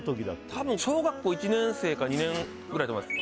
多分小学校１年生か２年ぐらいだと思います